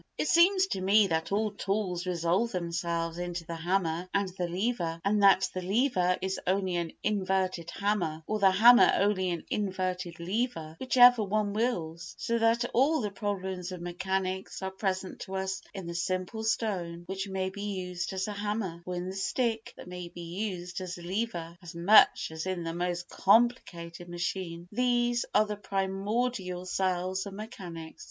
It seems to me that all tools resolve themselves into the hammer and the lever, and that the lever is only an inverted hammer, or the hammer only an inverted lever, whichever one wills; so that all the problems of mechanics are present to us in the simple stone which may be used as a hammer, or in the stick that may be used as a lever, as much as in the most complicated machine. These are the primordial cells of mechanics.